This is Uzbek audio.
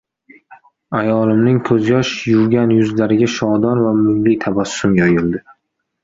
Ayolimning koʻzyosh yuvgan yuzlariga shodon va mungli tabassum yoyildi.